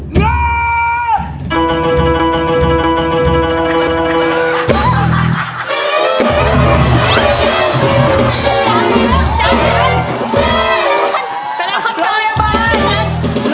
ขอบคุณครับ